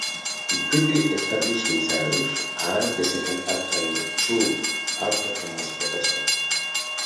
He quickly established himself as the second actor in the troupe after Thomas Betterton.